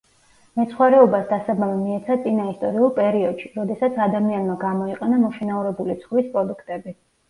მეცხვარეობას დასაბამი მიეცა წინა ისტორიულ პერიოდში, როდესაც ადამიანმა გამოიყენა მოშინაურებული ცხვრის პროდუქტები.